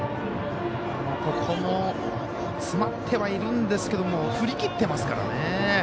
ここも詰まってはいるんですが振り切ってますからね。